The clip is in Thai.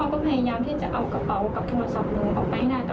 ก็พยายามที่จะเอากระเป๋ากับโทรศัพท์หนูออกไปให้ได้